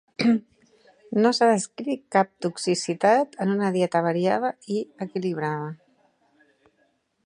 No s'ha descrit cap toxicitat en una dieta variada i equilibrada.